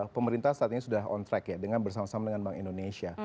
pemerintah saat ini sudah on track ya dengan bersama sama dengan bank indonesia